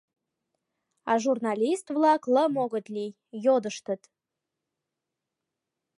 А журналист-влак лым огыт лий — йодыштыт.